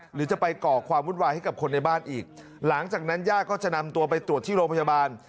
หรือจะไปก่อความวุ่นวายให้กับคนในบ้านอีกหลังจากนั้นญาติก็จะนำตัวไปตรวจที่โรงพยาบาล